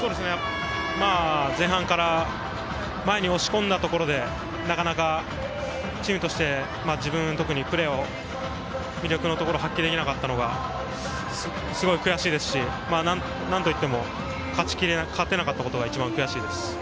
前半から前に押し込んだところで、なかなかゲームとして自分は特に魅力を発揮できなかったところがすごい悔しいですし、何といっても勝ち切れなかった、勝てなかったことが一番悔しいです。